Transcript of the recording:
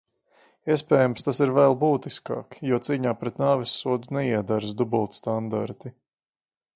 Iespējams, tas ir vēl būtiskāk, jo cīņā pret nāvessodu neiederas dubultstandarti.